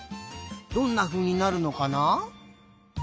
どんなふうになるのかな？